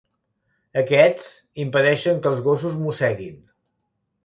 Aquests impedeixen que els gossos mosseguin.